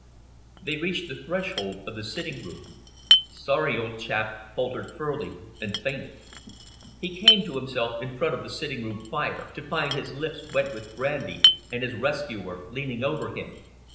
They reached the threshold of the sitting room. "Sorry, old chap," faltered Furley and fainted. He came to himself in front of the sitting room fire, to find his lips wet with brandy and his rescuer leaning over him.